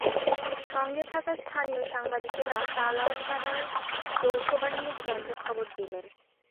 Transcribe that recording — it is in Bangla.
সঙ্গে থাকা স্থানীয় সাংবাদিকেরা তালা থানার যৌথ বাহিনীর ক্যাম্পে খবর দিলেন।